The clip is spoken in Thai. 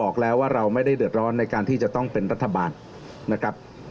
ขอใจเธอแลกคะแนนโหวรได้ไหม